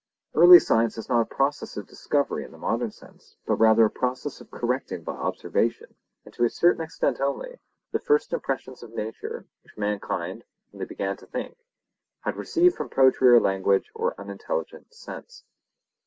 Early science is not a process of discovery in the modern sense; but rather a process of correcting by observation, and to a certain extent only, the first impressions of nature, which mankind, when they began to think, had received from poetry or language or unintelligent sense.